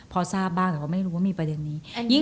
พอทราบบ้างแต่ก็ไม่รู้ว่ามีประเด็นนี้